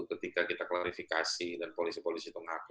ketika kita klarifikasi dan polisi polisi itu menghakimi